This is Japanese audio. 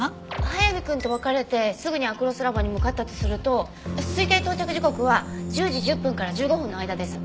速水くんと別れてすぐにアクロスラボに向かったとすると推定到着時刻は１０時１０分から１５分の間です。